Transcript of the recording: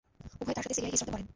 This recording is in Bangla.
উভয়ে তার সাথে সিরিয়ায় হিজরতও করেন।